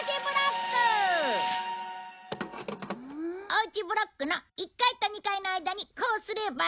おうちブロックの１階と２階の間にこうすれば。